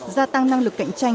gia tăng năng lực cạnh tranh